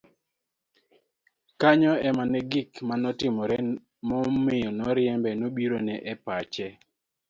kanyo ema ne gik manotimore momiyo noriembe nobirone e pache